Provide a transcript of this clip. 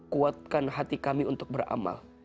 kuatkan hati kami untuk beramal